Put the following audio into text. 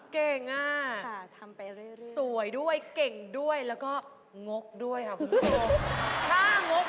เก่งอ่ะค่ะทำไปเรื่อยสวยด้วยเก่งด้วยแล้วก็งกด้วยค่ะคุณผู้ชม